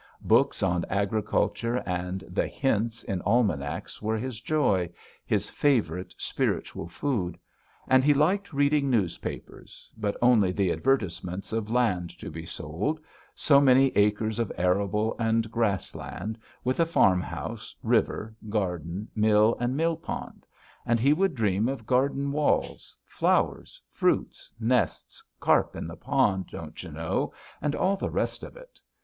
Books on agriculture and the hints in almanacs were his joy, his favourite spiritual food; and he liked reading newspapers, but only the advertisements of land to be sold, so many acres of arable and grass land, with a farmhouse, river, garden, mill, and mill pond. And he would dream of garden walls, flowers, fruits, nests, carp in the pond, don't you know, and all the rest of it.